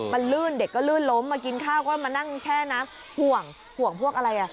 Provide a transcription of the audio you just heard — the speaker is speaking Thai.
มันลื่นเด็กก็ลื่นล้มมากินข้าวก็มานั่งแช่น้ำห่วงห่วงพวกอะไรอ่ะ